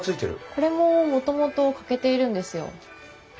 これももともと欠けているんですよ。